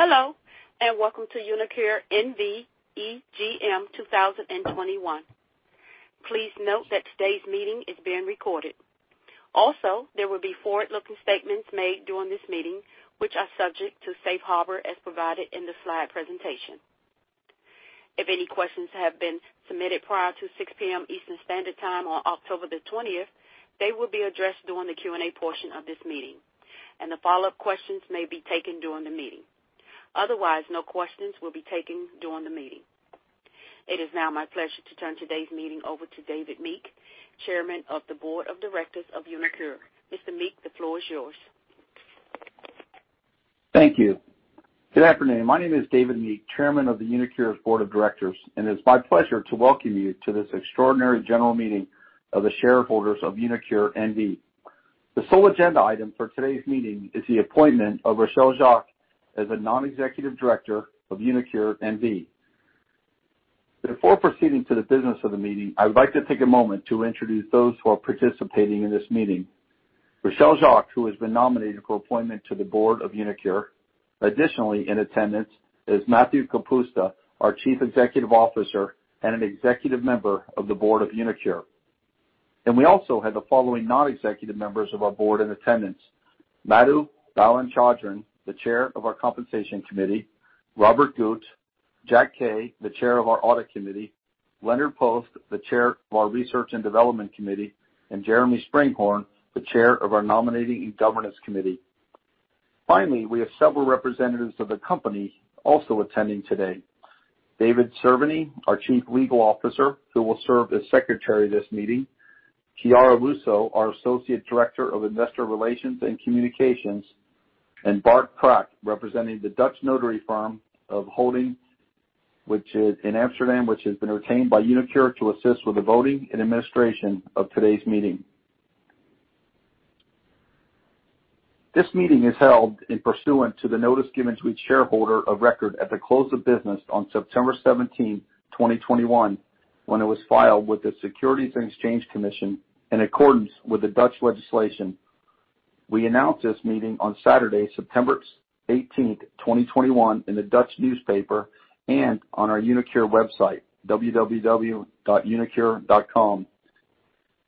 Hello, and welcome to uniQure NV EGM 2021. Please note that today's meeting is being recorded. Also, there will be forward-looking statements made during this meeting, which are subject to Safe Harbor as provided in the slide presentation. If any questions have been submitted prior to 6:00 P.M. Eastern Standard Time on October 20th, they will be addressed during the Q and A portion of this meeting, and the follow-up questions may be taken during the meeting. Otherwise, no questions will be taken during the meeting. It is now my pleasure to turn today's meeting over to David Meek, Chairman of the Board of Directors of uniQure. Mr. Meek, the floor is yours. Thank you. Good afternoon. My name is David Meek, Chairman of uniQure's Board of Directors, and it's my pleasure to welcome you to this extraordinary general meeting of the shareholders of uniQure NV. The sole agenda item for today's meeting is the appointment of Rachelle Jacques as a non-executive Director of uniQure NV. Before proceeding to the business of the meeting, I would like to take a moment to introduce those who are participating in this meeting. Rachelle Jacques, who has been nominated for appointment to the Board of uniQure. In attendance is Matthew Kapusta, our Chief Executive Officer and an executive member of the Board of uniQure. We also have the following non-executive members of our Board in attendance. Madhavan Balachandran, the Chair of our Compensation Committee, Robert Gut, Jack Kaye, the Chair of our Audit Committee, Leonard Post, the Chair of our Research and Development Committee, and Jeremy Springhorn, the Chair of our Nominating and Governance Committee. We have several representatives of the company also attending today. David Cerveny, our Chief Legal Officer, who will serve as Secretary of this meeting, Chiara Russo, our Associate Director of Investor Relations and Communications, and Bart Prak, representing the Dutch notary firm of Holdings, which is in Amsterdam, which has been retained by uniQure to assist with the voting and administration of today's meeting. This meeting is held in pursuant to the notice given to each shareholder of record at the close of business on September 17th, 2021, when it was filed with the Securities and Exchange Commission in accordance with the Dutch legislation. We announced this meeting on Saturday, September 18th, 2021, in the Dutch newspaper, and on our uniQure website, www.uniqure.com.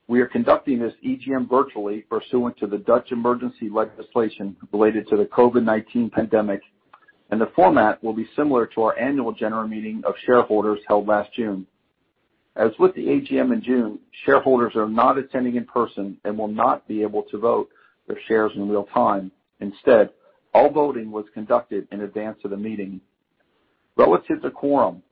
We are conducting this EGM virtually pursuant to the Dutch emergency legislation related to the COVID-19 pandemic. The format will be similar to our annual general meeting of shareholders held last June. As with the AGM in June, shareholders are not attending in person and will not be able to vote their shares in real time. Instead, all voting was conducted in advance of the meeting. Relative to quorum,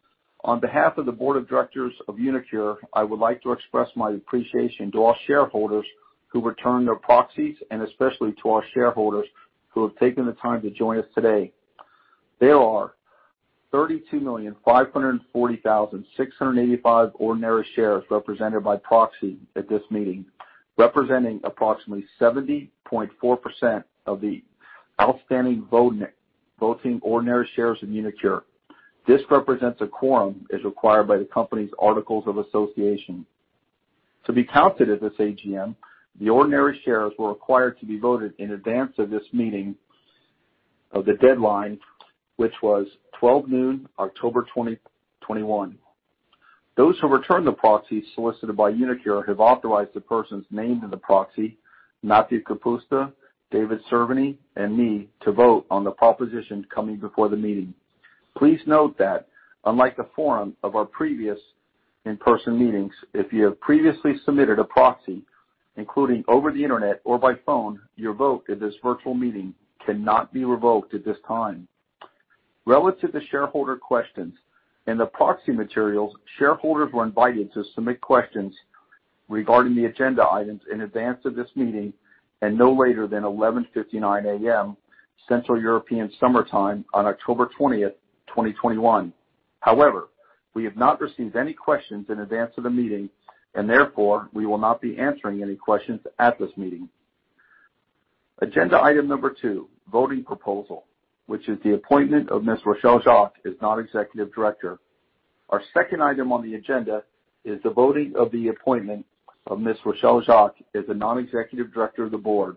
on behalf of the Board of Directors of uniQure, I would like to express my appreciation to all shareholders who returned their proxies and especially to our shareholders who have taken the time to join us today. There are 32,540,685 ordinary shares represented by proxy at this meeting, representing approximately 70.4% of the outstanding voting ordinary shares in uniQure. This represents a quorum as required by the company's Articles of Association. To be counted at this AGM, the ordinary shares were required to be voted in advance of this meeting of the deadline, which was 12:00 P.M., October 2021. Those who returned the proxies solicited by uniQure have authorized the persons named in the proxy, Matthew Kapusta, David Cerveny, and me, to vote on the propositions coming before the meeting. Please note that unlike the forum of our previous in-person meetings, if you have previously submitted a proxy, including over the internet or by phone, your vote at this virtual meeting cannot be revoked at this time. Relative to shareholder questions, in the proxy materials, shareholders were invited to submit questions regarding the agenda items in advance of this meeting and no later than 11:59 A.M. Central European Summer Time on October 20th, 2021. However, we have not received any questions in advance of the meeting, and therefore, we will not be answering any questions at this meeting. Agenda item number two, voting proposal, which is the appointment of Ms. Rachelle Jacques as non-executive Director. Our second item on the agenda is the voting of the appointment of Ms. Rachelle Jacques as a non-executive Director of the Board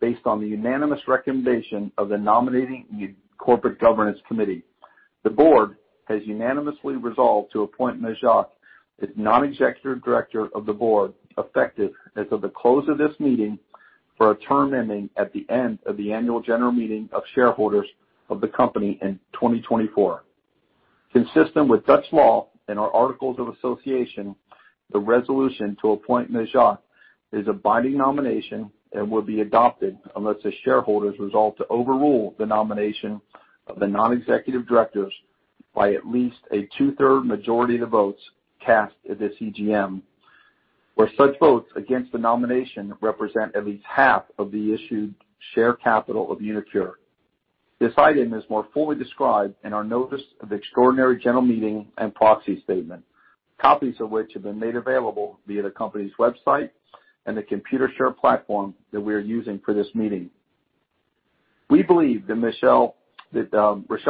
based on the unanimous recommendation of the Nominating and Corporate Governance Committee. The board has unanimously resolved to appoint Rachelle as non-executive Director of the Board effective as of the close of this meeting for a term ending at the end of the annual general meeting of shareholders of the company in 2024. Consistent with Dutch law and our Articles of Association, the resolution to appoint Rachelle is a binding nomination and will be adopted unless the shareholders resolve to overrule the nomination of the non-executive Directors by at least a two-third majority of the votes cast at this EGM where such votes against the nomination represent at least half of the issued share capital of uniQure. This item is more fully described in our notice of extraordinary general meeting and proxy statement, copies of which have been made available via the company's website and the Computershare platform that we are using for this meeting. We believe that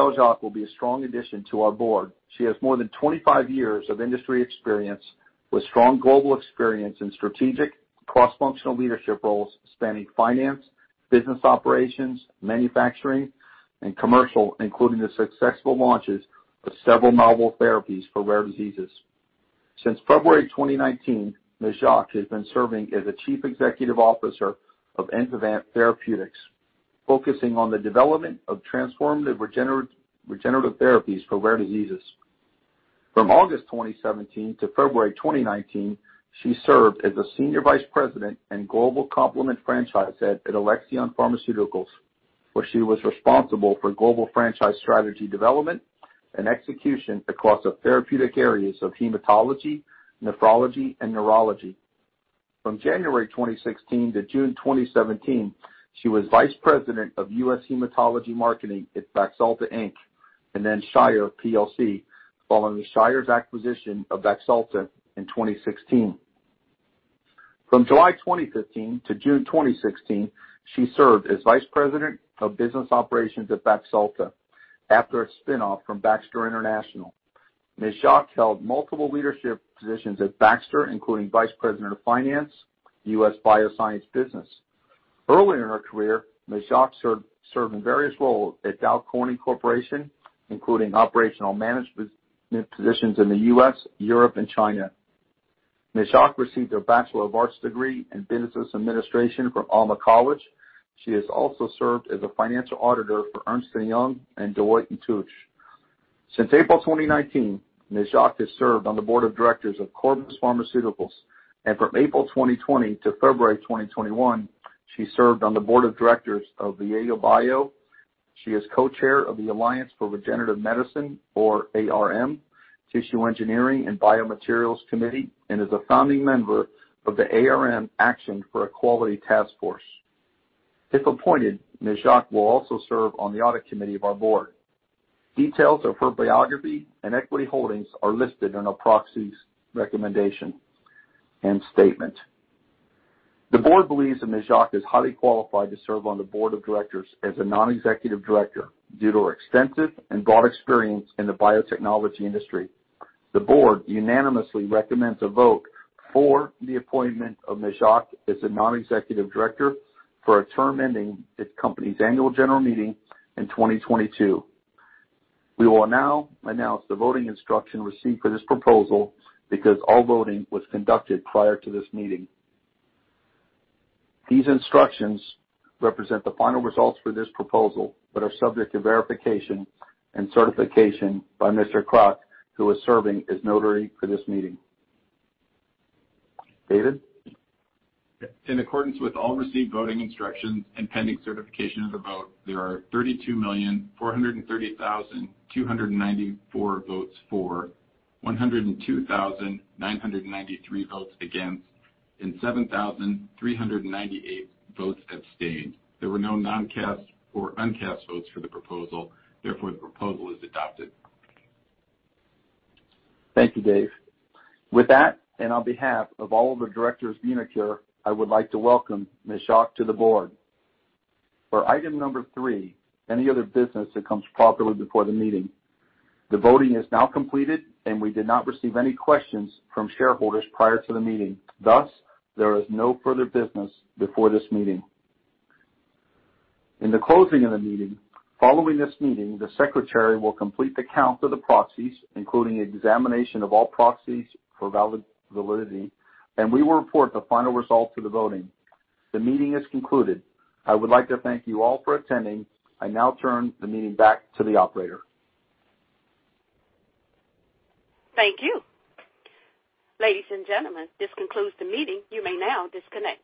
Rachelle Jacques will be a strong addition to our board. She has more than 25 years of industry experience with strong global experience in strategic cross-functional leadership roles spanning finance, business operations, manufacturing, and commercial, including the successful launches of several novel therapies for rare diseases. Since February 2019, Rachelle has been serving as the Chief Executive Officer of Enzyvant Therapeutics, focusing on the development of transformative regenerative therapies for rare diseases. From August 2017 to February 2019, she served as the Senior Vice President and Global Complement Franchise Head at Alexion Pharmaceuticals, where she was responsible for global franchise strategy development and execution across the therapeutic areas of hematology, nephrology, and neurology. From January 2016 to June 2017, she was Vice President of U.S. Hematology Marketing at Baxalta Inc, and then Shire PLC, following Shire's acquisition of Baxalta in 2016. From July 2015 to June 2016, she served as Vice President of Business Operations at Baxalta after its spinoff from Baxter International. Ms. Jacques held multiple leadership positions at Baxter, including Vice President of Finance, U.S. Bioscience business. Early in her career, Ms. Jacques served in various roles at Dow Corning Corporation, including operational management positions in the U.S., Europe, and China. Ms. Jacques received a Bachelor of Arts degree in Business Administration from Alma College. She has also served as a financial auditor for Ernst & Young and Deloitte & Touche. Since April 2019, Ms. Jacques has served on the Board of Directors of Corbus Pharmaceuticals, and from April 2020 to February 2021, she served on the Board of Directors of Viela Bio. She is Co-Chair of the Alliance for Regenerative Medicine, or ARM, Tissue Engineering and Biomaterials Committee, and is a founding member of the ARM Action for Equality Task Force. If appointed, Rachelle Jacques will also serve on the audit committee of our Board. Details of her biography and equity holdings are listed in our proxy's recommendation and statement. The Board believes that Rachelle is highly qualified to serve on the Board of Directors as a non-executive Director due to her extensive and broad experience in the biotechnology industry. The Board unanimously recommends a vote for the appointment of Rachelle as a non-executive Director for a term ending at the company's annual general meeting in 2022. We will now announce the voting instruction received for this proposal because all voting was conducted prior to this meeting. These instructions represent the final results for this proposal, but are subject to verification and certification by Mr. Prak, who is serving as notary for this meeting. David? In accordance with all received voting instructions and pending certification of the vote, there are 32,430,294 votes for, 102,993 votes against, and 7,398 votes abstained. There were no non-cast or uncast votes for the proposal, therefore, the proposal is adopted. Thank you, David. With that, and on behalf of all of the Directors of uniQure, I would like to welcome Rachelle Jacques to the Board. For item number three, any other business that comes properly before the meeting. The voting is now completed, and we did not receive any questions from shareholders prior to the meeting. There is no further business before this meeting. In the closing of the meeting, following this meeting, the Secretary will complete the count of the proxies, including examination of all proxies for validity, and we will report the final results of the voting. The meeting is concluded. I would like to thank you all for attending. I now turn the meeting back to the operator. Thank you. Ladies and gentlemen, this concludes the meeting. You may now disconnect.